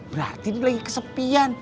berarti dia lagi kesepian